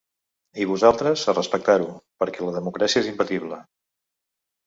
I vosaltres, a respectar-ho, perquè la democràcia és imbatible.